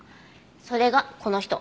それがこの人。